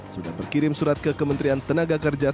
sudah berkirim surat ke kementerian tenaga kerja